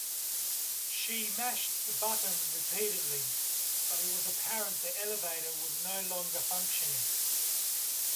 She mashed the button repeatedly, but it was apparent the elevator was no longer functioning.